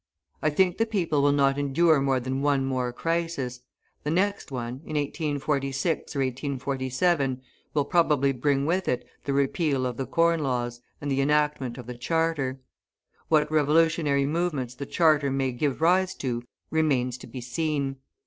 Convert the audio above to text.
I think the people will not endure more than one more crisis. The next one, in 1846 or 1847, will probably bring with it the repeal of the Corn Laws and the enactment of the Charter. What revolutionary movements the Charter may give rise to remains to be seen.